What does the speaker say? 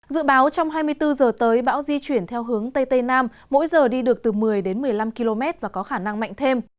dự báo trong hai mươi bốn h tới bão di chuyển theo hướng tây tây nam mỗi giờ đi được từ một mươi đến một mươi năm km và có khả năng mạnh thêm